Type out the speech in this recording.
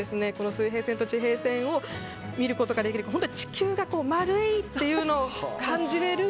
水平線と地平線を見ることができる本当に地球が丸いっていうのを感じれる